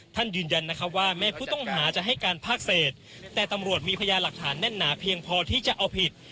ยืนยันนะคะว่าแม้ผู้ต้องหาจะให้การภาคเศษแต่ตำรวจมีพยานหลักฐานแน่นหนาเพียงพอที่จะเอาผิด